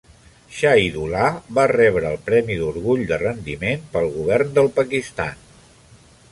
Shahidullah va rebre el Premi d'orgull de rendiment pel govern del Pakistan.